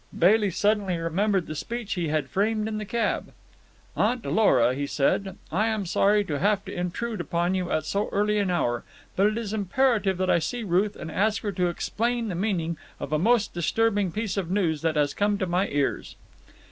Bailey suddenly remembered the speech he had framed in the cab. "Aunt Lora," he said, "I am sorry to have to intrude upon you at so early an hour, but it is imperative that I see Ruth and ask her to explain the meaning of a most disturbing piece of news that has come to my ears."